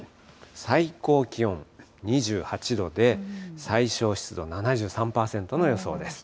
最高気温２８度で、最小湿度７３％の予想です。